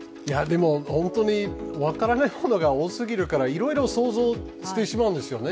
本当に分からないことが多過ぎるから、いろいろ想像してしまうんですよね。